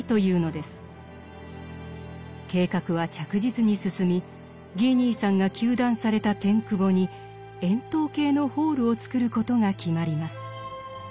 計画は着実に進みギー兄さんが糾弾されたテン窪に円筒形のホールを造ることが決まります。